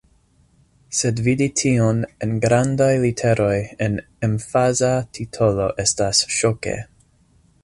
Sed vidi tion en grandaj literoj, en emfaza titolo estas ŝoke.